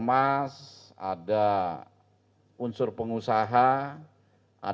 dengan keuntungan kekecewaan